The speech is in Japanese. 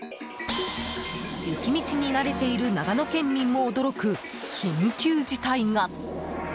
雪道に慣れている長野県民も驚く緊急事態が！